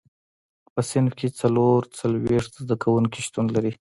په صنف کې څلور څلوېښت زده کوونکي شتون لري.